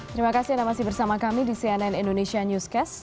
terima kasih anda masih bersama kami di cnn indonesia newscast